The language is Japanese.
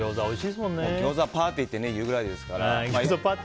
ギョーザパーティーって言うくらいですから。